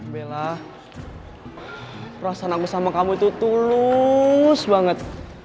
bella perasaan aku sama kamu itu tulus banget